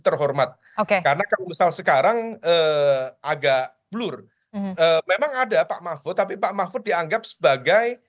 terhormat oke karena kalau misal sekarang agak blur memang ada pak mahfud tapi pak mahfud dianggap sebagai